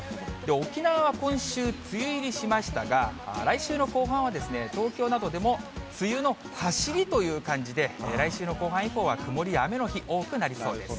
沖縄は今週、梅雨入りしましたが、来週の後半は、東京などでも、梅雨のはしりという感じで、来週の後半以降は曇りや雨の日、多くなりそうです。